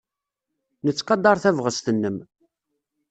Nettqadar tabɣest-nnem.